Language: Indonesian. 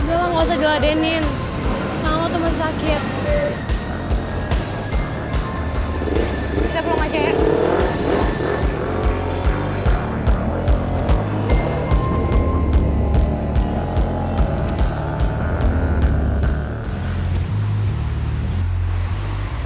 kau tahu kau tahu